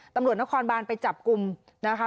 ตำรวจนครบานไปจับกลุ่มนะคะ